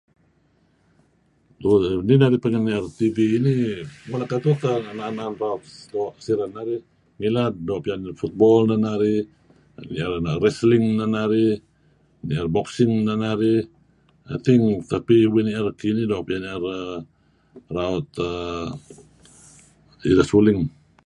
Nih narih pangeh nier TV nih mula' ketuh naem-naem siren narih. Nilad doo' piyan nier football narih . Tak narih nier wrestling neh narih, nier boxing neh narih, I think, narih. Kinih doo' neh narihraut uhm suling.